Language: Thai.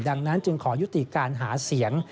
ดังนั้นจึงขอยุติการหาเสียง